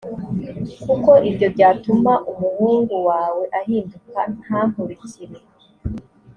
kuko ibyo byatuma umuhungu wawe ahinduka ntankurikire